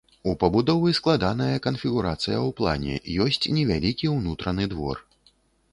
У пабудовы складаная канфігурацыя ў плане, ёсць невялікі ўнутраны двор.